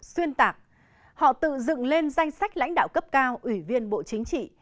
xuyên tạc họ tự dựng lên danh sách lãnh đạo cấp cao ủy viên bộ chính trị